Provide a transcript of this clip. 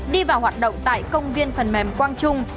đi vào hoạt động tại công viên phần mềm quang trung